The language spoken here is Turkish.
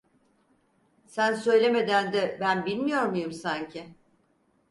Sen söylemeden de ben bilmiyor muyum sanki?